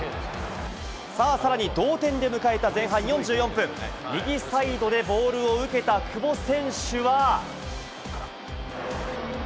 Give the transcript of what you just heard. さらに同点で迎えた前半４４分、右サイドでボールを受けた久保選手は。